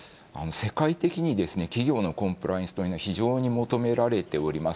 世界的に企業のコンプライアンスというのは非常に求められております。